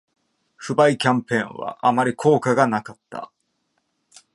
不買キャンペーンはあまり効果がなかった